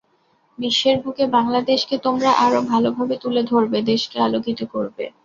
বিশ্বের বুকে বাংলাদেশকে তোমরা আরও ভালোভাবে তুলে ধরবে, দেশকে আলোকিত করবে।